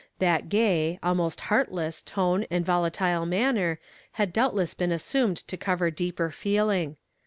That gay, almost heart less tone and volatile manner had doubtless been assumed to cover deeper feeling.